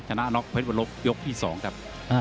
ชนะน็อกเพชรวรบยกที่๒ครับ